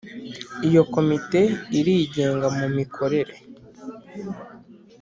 Iyi komite irigenga mu mikorere